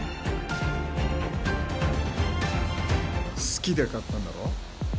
好きで買ったんだろ。